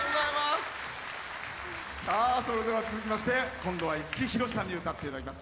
続きまして、今度は五木ひろしさんに歌っていただきます。